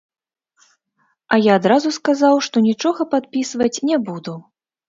А я адразу сказаў, што нічога падпісваць не буду.